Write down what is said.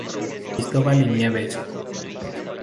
Cristobal y Nieves.